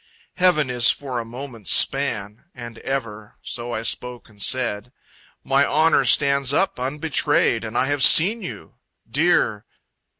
Heaven is for a moment's span. And ever. So I spoke and said, "My honor stands up unbetrayed, And I have seen you. Dear..."